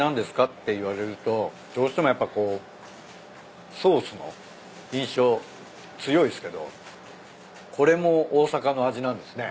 って言われるとどうしてもやっぱこうソースの印象強いっすけどこれも大阪の味なんですね。